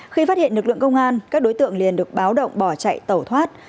khi phát hiện lực lượng công an các đối tượng liền được báo động bỏ chạy tẩu thoát